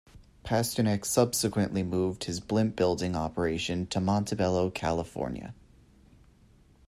Pasternak subsequently moved his blimp building operation to Montebello, California.